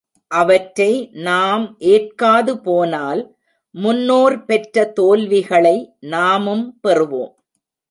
அவற்றை நாம் ஏற்காது போனால் முன்னோர் பெற்ற தோல்விகளை நாமும் பெறுவோம்.